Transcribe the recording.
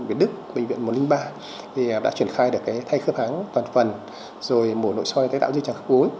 với sự hỗ trợ của bệnh viện việt đức bệnh viện một trăm linh ba thì đã chuyển khai được cái thay khớp háng toàn phần rồi mổ nội soi tái tạo dây tràng khắc gối